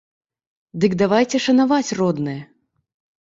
Дык давайце шанаваць роднае!